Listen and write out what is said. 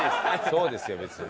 そうですよ別に。